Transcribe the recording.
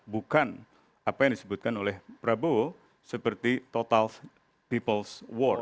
bukan apa yang disebutkan oleh prabowo seperti total peoples war